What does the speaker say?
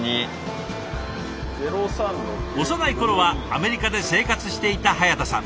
幼い頃はアメリカで生活していた早田さん。